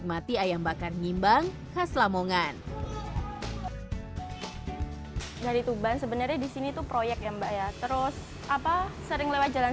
sambalnya mbak yang bikin lagi